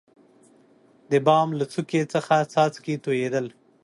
دبام له څوکي څخه څاڅکي تویدل.